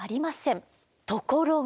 ところが。